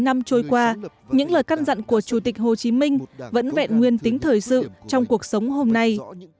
bảy mươi năm trôi qua những lời căn dặn của chủ tịch hồ chí minh vẫn vẹn nguyên tính thời sự trong cuộc sống hôm nay